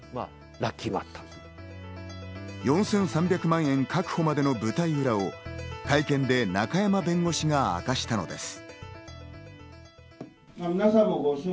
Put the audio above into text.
４３００万円確保までの舞台裏を会見で中山弁護士が明かしたのです。